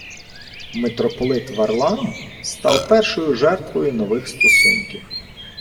Митрополит Варлаам став першою жертвою нових стосунків